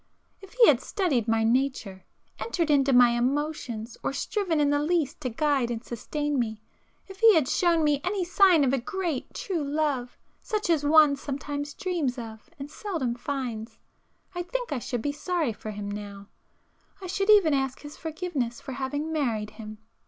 If he had studied my nature, entered into my emotions, or striven in the least to guide and sustain me,—if he had shown me any sign of a great, true love such as one sometimes dreams of and [p 400] seldom finds,—I think I should be sorry for him now,—I should even ask his forgiveness for having married him.